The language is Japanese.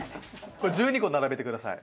これ１２個並べてください。